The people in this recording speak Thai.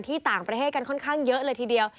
ต่างประเทศกันค่อนข้างเยอะเลยทีเดียว